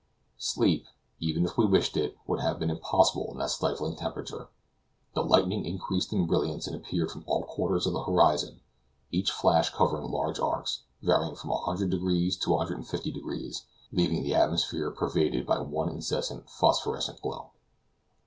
Sleep, even if we wished it, would have been impossible in that stifling temperature. The lightning increased in brilliancy and appeared from all quarters of the horizon, each flash covering large arcs, varying from 100 deg. to 150 deg., leaving the atmosphere pervaded by one incessant phosphorescent glow.